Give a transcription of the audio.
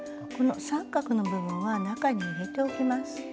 この三角の部分は中に入れておきます。